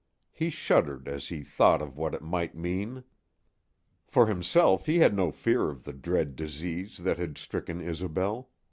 He shuddered as he thought of what it might mean. For himself he had no fear of the dread disease that had stricken Isobel.